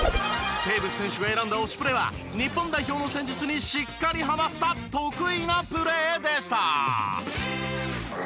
テーブス選手が選んだ推しプレは日本代表の戦術にしっかりハマった得意なプレーでした。